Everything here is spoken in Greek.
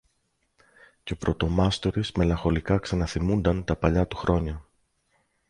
και ο πρωτομάστορης μελαγχολικά ξαναθυμούνταν τα παλιά του χρόνια